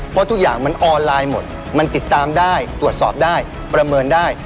เพราะทุกอย่างมันออนไลน์หมดมันติดตามได้ตรวจสอบได้ประเมินได้